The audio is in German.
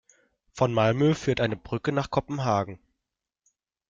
Von Malmö führt eine Brücke nach Kopenhagen.